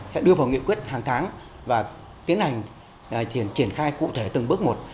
sẽ đưa vào nghị quyết hàng tháng và tiến hành triển khai cụ thể từng bước một